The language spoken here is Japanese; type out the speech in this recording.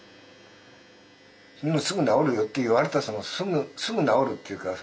「すぐ治るよ」って言われた「すぐ治る」って言うからさ